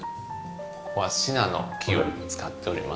ここはシナノキを使っております。